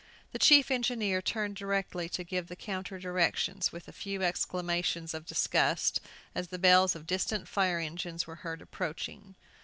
The chief engineer turned directly to give counter directions, with a few exclamations of disgust, as the bells of distant fire engines were heard approaching.